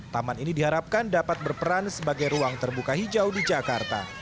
taman ini diharapkan dapat berperan sebagai ruang terbuka hijau di jakarta